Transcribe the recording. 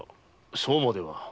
そうまでは。